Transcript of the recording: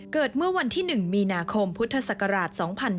เกิดเมื่อวันที่๑มีนาคมพุทธศักราช๒๔